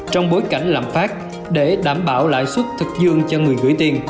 trong bối cảnh lãm pháp để đảm bảo lãi suất thực dương cho người gửi tiền